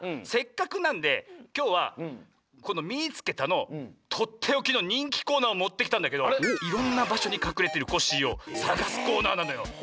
せっかくなんできょうはこの「みいつけた！」のとっておきのにんきコーナーをもってきたんだけどいろんなばしょにかくれてるコッシーをさがすコーナーなのよ。